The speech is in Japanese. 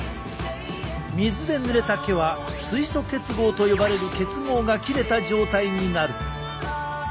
水でぬれた毛は水素結合と呼ばれる結合が切れた状態になる。